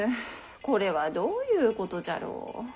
これはどういうことじゃろう？